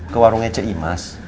ke warungnya ce imas